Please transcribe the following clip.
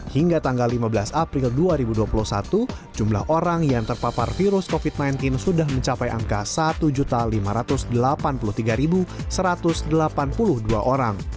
hingga tanggal lima belas april dua ribu dua puluh satu jumlah orang yang terpapar virus covid sembilan belas sudah mencapai angka satu lima ratus delapan puluh tiga satu ratus delapan puluh dua orang